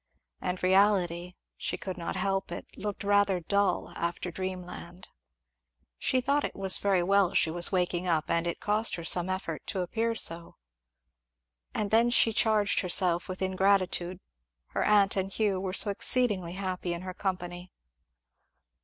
And reality she could not help it looked rather dull after dreamland. She thought it was very well she was waked up; but it cost her some effort to appear so. And then she charged herself with ingratitude, her aunt and Hugh were so exceedingly happy in her company.